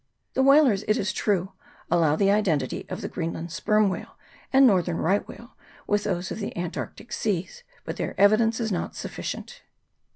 The whalers, it is true, allow the identity of the Greenland sperm whale and northern right whale with those of the antarc tic seas, but their evidence is not sufficient.